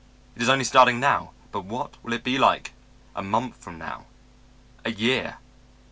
"It is only starting now, but what will it be like a month from now, a year?"